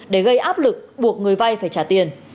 để gây áp lực buộc người vay phải trả tiền